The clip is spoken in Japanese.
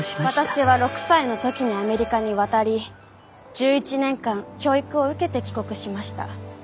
私は６歳の時にアメリカに渡り１１年間教育を受けて帰国しました。